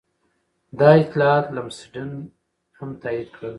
دا اطلاعات لمسډن هم تایید کړل.